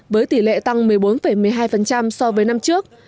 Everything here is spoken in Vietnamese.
với tỷ lệ tăng một mươi bốn một mươi hai so với năm trước